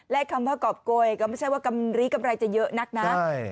และคำว่ากรอบโกยก็ไม่ใช่ว่ากำลีกำไรจะเยอะนักนะ